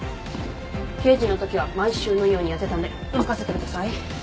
刑事のときは毎週のようにやってたんで任せてください。